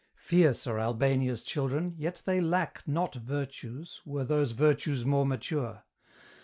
Fierce are Albania's children, yet they lack Not virtues, were those virtues more mature.